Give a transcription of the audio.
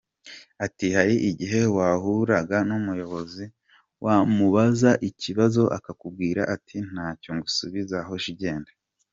Ati “hari igihe wahuraga n’umuyobozi wamubaza ikibazo akakubwira ati ‘ntacyo ngusubiza hoshi genda.